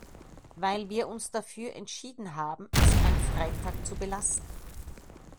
Weil wir uns dafür entschieden haben, es beim Freitag zu belassen.